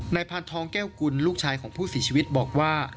พานทองแก้วกุลลูกชายของผู้เสียชีวิตบอกว่า